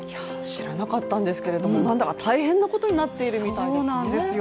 知らなかったんですけれども、なんだか大変なことになっているみたいですね。